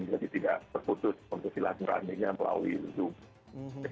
jadi tidak terputus untuk silat meramiknya melalui zoom